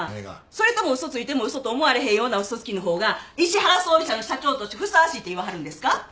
それとも嘘ついても嘘と思われへんような嘘つきの方が石原葬儀社の社長としてふさわしいって言わはるんですか？